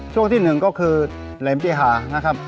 ช่วงที่หนึ่งก็คือแหลมเจหานะครับ